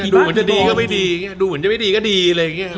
ดูเหมือนจะดีก็ไม่ดีดูเหมือนจะไม่ดีก็ดีเลย